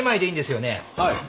はい。